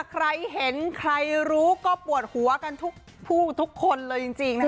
ใครเห็นใครรู้ก็ปวดหัวกันทุกผู้ทุกคนเลยจริงนะคะ